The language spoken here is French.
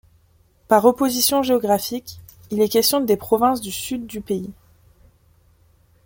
Par opposition géographique, il est question des provinces du Sud du pays.